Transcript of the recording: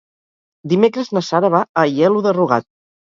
Dimecres na Sara va a Aielo de Rugat.